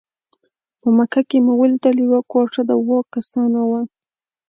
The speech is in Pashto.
په مکه کې مو ولیدل یوه کوټه د اوو کسانو وه.